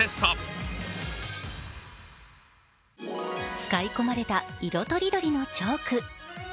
使い込まれた色とりどりのチョーク。